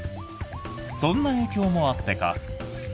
そんな影響もあってか。